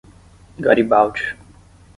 Garibaldi